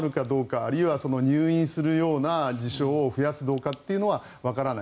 あるいは入院するような事象を増やすかどうかはわからない。